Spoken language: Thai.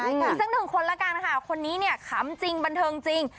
อีกสักหนึ่งคนละกันค่ะคนนี้เนี่ยขำจริงบันเทิงจริง